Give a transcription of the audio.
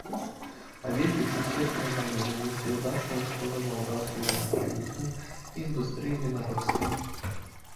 Абедзве сусветныя вайны нанеслі значную шкоду малдаўскім вінаграднікам і індустрыі вінаробства.